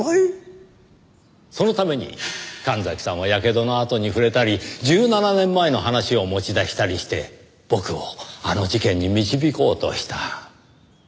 そのために神崎さんは火傷の痕に触れたり１７年前の話を持ち出したりして僕をあの事件に導こうとした。